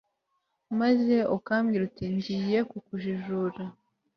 maze ukambwira uti ngiye kukujijura